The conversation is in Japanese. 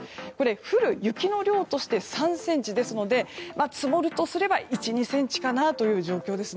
降る雪の量として３ｃｍですので積もるとしては１２ｃｍかなという状況です。